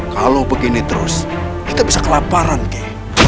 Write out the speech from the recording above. kalau begini terus kita bisa kelaparan kek